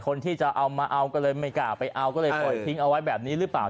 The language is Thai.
คนที่จะเอามาเอาก็เลยไม่กล้าไปเอาก็เลยปล่อยทิ้งเอาไว้แบบนี้หรือเปล่า